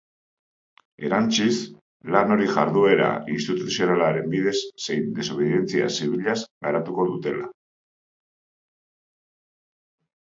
Erantsiz, lan hori jarduera instituzionalaren bidez zein desobedientzia zibilaz garatuko dutela.